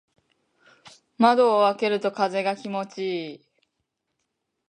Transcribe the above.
窓を開けると風が気持ちいい。